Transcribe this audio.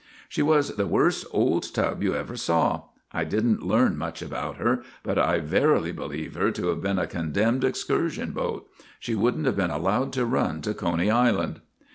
" She was the worst old tub you ever saw. I did n't learn much about her, but I verily believe her to have been a condemned excursion boat. She would n't have been allowed to run to Coney Island.